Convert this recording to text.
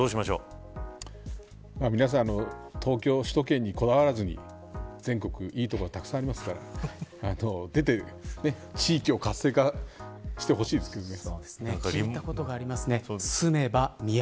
皆さん東京首都圏にこだわらずに全国、いい所はたくさんありますから地域を活性化してほしいですね。